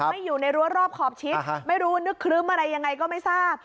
ไม่อยู่ในรั้วรอบขอบชิดไม่รู้นึกครึ้มอะไรยังไงก็ไม่ทราบ